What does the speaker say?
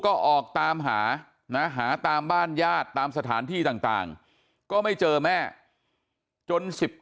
ก็ออกตามหานะหาตามบ้านญาติตามสถานที่ต่างก็ไม่เจอแม่จน๑๙